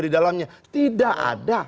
di dalamnya tidak ada